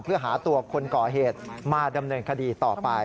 เพื่อหาตัวคนก่อเหตุมาดำเนินคดีต่อไป